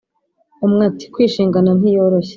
umwe ati « kwishingana ntiyoroshye !